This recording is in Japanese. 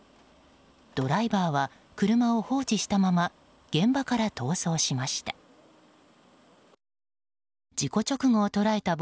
ドライバーは車を放置したまま現場から逃走しました。